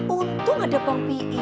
untung ada bang p i